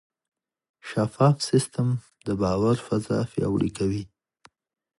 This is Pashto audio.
شفاف سیستم د باور فضا پیاوړې کوي.